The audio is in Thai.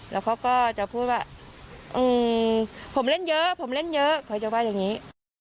แล้วเขาก็จะพูดว่าผมเล่นเยอะผมเล่นเยอะเขาจะว่าอย่างนี้